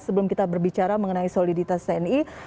sebelum kita berbicara mengenai soliditas tni